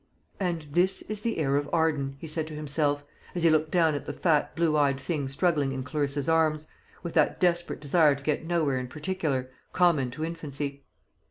"And this is the heir of Arden," he said to himself, as he looked down at the fat blue eyed thing struggling in Clarissa's arms, with that desperate desire to get nowhere in particular, common to infancy.